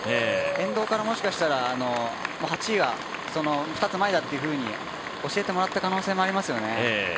沿道から、もしかしたら８位は２つ前だっていうふうに教えてもらった可能性もありますよね。